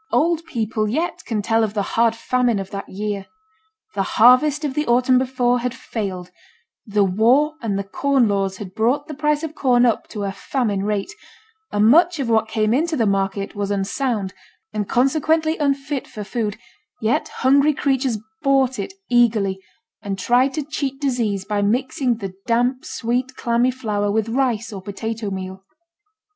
Old people yet can tell of the hard famine of that year. The harvest of the autumn before had failed; the war and the corn laws had brought the price of corn up to a famine rate; and much of what came into the market was unsound, and consequently unfit for food, yet hungry creatures bought it eagerly, and tried to cheat disease by mixing the damp, sweet, clammy flour with rice or potato meal.